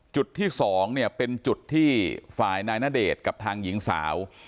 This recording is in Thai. จุดที่๒เนี่ยเป็นจุดที่ฝ่ายนายณเดชน์กับทางหญิงสาว